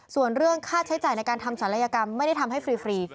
ส่วนเรื่องค่าใช้จ่ายในการทำศัลยกรรมไม่ได้ทำให้ฟรี